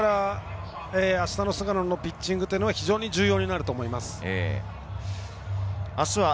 あしたの菅野のピッチングが非常に重要になると思います。